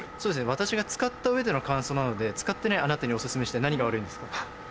私が使った上での感想なので使ってないあなたにお薦めして何が悪いんですか？